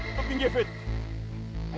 oh apa ini feth